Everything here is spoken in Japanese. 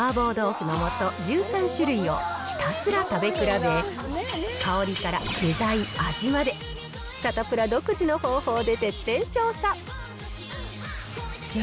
そこで、人気の高い麻婆豆腐の素１３種類をひたすら食べ比べ、香りから具材、味まで、サタプラ独自の方法で徹底調査。